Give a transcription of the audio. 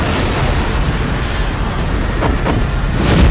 jangan dia akan sampai cabang